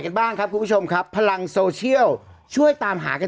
กันบ้างครับคุณผู้ชมครับพลังโซเชียลช่วยตามหากัน